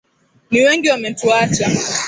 Ni wengi wametuacha.